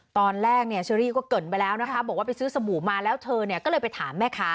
ตอนแรกเนี่ยเชอรี่ก็เกินไปแล้วนะคะบอกว่าไปซื้อสบู่มาแล้วเธอเนี่ยก็เลยไปถามแม่ค้า